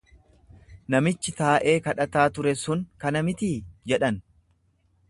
Namichi taa'ee kadhataa ture sun kana mitii? jedhan.